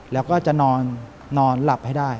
แล้วก็จะนอนหลับให้ได้